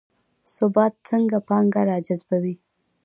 ثبات څنګه پانګه راجذبوي؟